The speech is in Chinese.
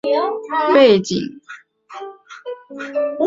之后雨果详细介绍了尚万强的背景。